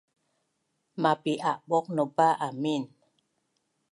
Mapi’abuq naupa amin?